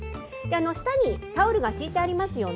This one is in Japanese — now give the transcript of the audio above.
下にタオルが敷いてありますよね。